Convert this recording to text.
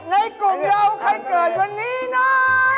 ในนี้กุ่งเยาว์ใครเกิดวันนี้หน้า